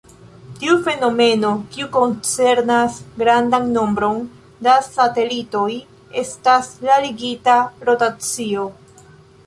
Tiu fenomeno, kiu koncernas grandan nombron da satelitoj, estas la ligita rotacio.